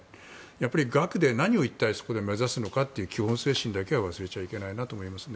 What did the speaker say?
やっぱり学で、一体何をそこで目指すのかという基本精神だけは忘れちゃいけないなと思います。